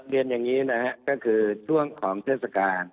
เรียนอย่างนี้นะครับก็คือช่วงของเทศกาล